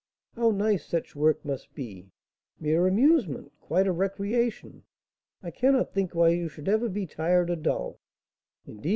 how nice such work must be, mere amusement, quite a recreation! I cannot think why you should ever be tired or dull. Indeed, M.